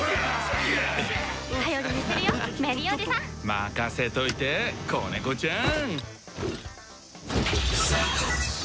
任せといて子ネコちゃん！